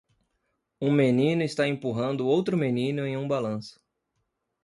Um menino está empurrando outro menino em um balanço.